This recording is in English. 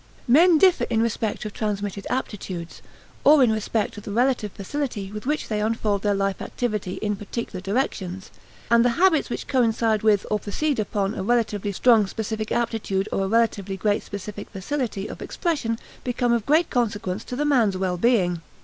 Men differ in respect of transmitted aptitudes, or in respect of the relative facility with which they unfold their life activity in particular directions; and the habits which coincide with or proceed upon a relatively strong specific aptitude or a relatively great specific facility of expression become of great consequence to the man's well being.